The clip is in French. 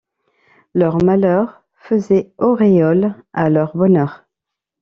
Leur malheur faisait auréole à leur bonheur.